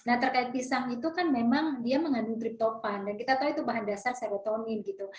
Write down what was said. nah terkait pisang itu kan memang dia mengandung triptofan dan kita tahu itu bahan dasar serotonin gitu